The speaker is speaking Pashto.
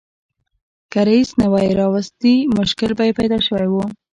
که رییس نه وای راوستي مشکل به یې پیدا شوی و.